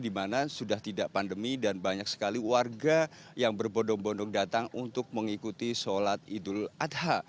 di mana sudah tidak pandemi dan banyak sekali warga yang berbondong bondong datang untuk mengikuti sholat idul adha